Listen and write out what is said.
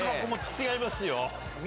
違いますよ。